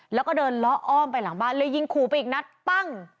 แล้วก็เดินเลาะอ้อมไปหลังบ้านเลยยิงขู่ไปอีกนัดปั้ง